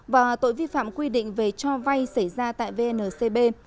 và tội vi phạm quy định về cho vay xảy ra tại vncb